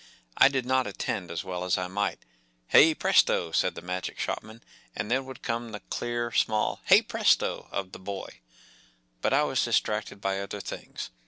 I did not attend as well as I might. “ Hey, presto! ” said the Magic Shopman, and then would come the clear, small “ Hey, presto ! ” of the boy. But I was distracted by other things.